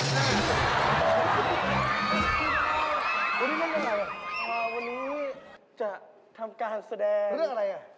วันนี้เรื่องอะไรล่ะวันนี้จะทำการแสดงเรื่องอะไรล่ะ